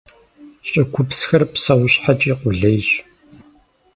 ЩӀыгупсхэр псэущхьэкӀи къулейщ.